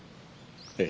ええ。